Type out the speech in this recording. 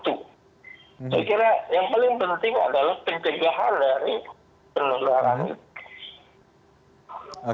saya kira yang paling penting adalah pencegahan dari penularan itu